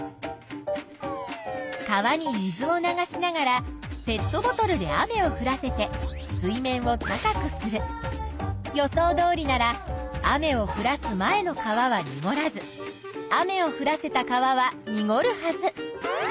川に水を流しながらペットボトルで雨をふらせて水面を高くする。予想どおりなら雨をふらす前の川はにごらず雨をふらせた川はにごるはず。